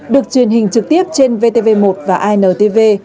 được truyền hình trực tiếp trên vtv một và intv